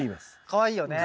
かわいいよね。